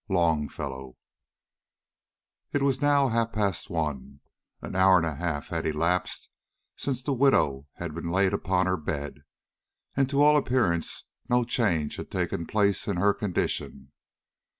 LONGFELLOW. IT was now half past one. An hour and a half had elapsed since the widow had been laid upon her bed, and to all appearance no change had taken place in her condition.